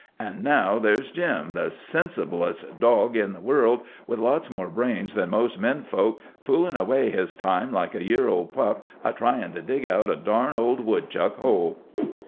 An' now there's Jim, the sensiblest dog in the world, with lots more brains than most men kind, foolin' away his time like a year old pup a tryin' to dig out a darn old woodchuck hole."